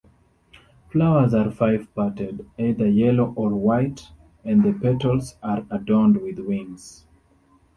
Flowers are five-parted, either yellow or white, and the petals are adorned with wings.